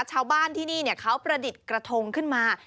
ชาวบ้านที่นี่เขาประดิษฐ์กระทงขึ้นมา